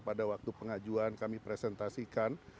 pada waktu pengajuan kami presentasikan